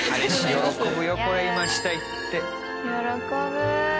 喜ぶ。